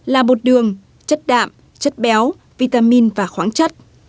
là bột đường chất đạm chất béo vitamin và khoáng chất